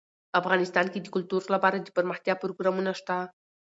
افغانستان کې د کلتور لپاره دپرمختیا پروګرامونه شته.